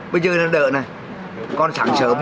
bây giờ là đợt này con sẵn sớm